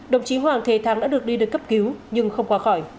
đồng chí hoàng thế thắng đã được đi được cấp cứu nhưng không qua khỏi